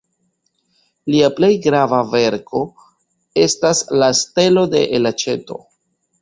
Lia plej grava verko estas "La Stelo de la Elaĉeto".